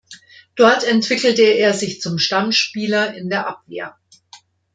Dort entwickelte er sich zum Stammspieler in der Abwehr.